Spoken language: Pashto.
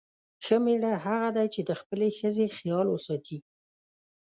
ښه میړه هغه دی چې د خپلې ښځې خیال وساتي.